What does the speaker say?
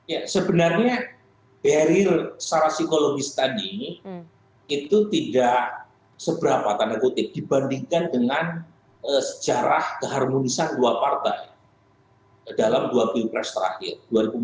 ya sebenarnya barir secara psikologis tadi itu tidak seberapa tanda kutip dibandingkan dengan sejarah keharmonisan dua partai dalam dua pilpres terakhir